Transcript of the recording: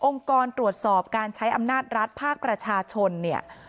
กรตรวจสอบการใช้อำนาจรัฐภาคประชาชนเนี่ย